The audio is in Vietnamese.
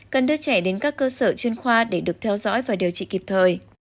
cần đưa trẻ đến các cơ sở chuyên khoa để được theo dõi và điều trị kịp thời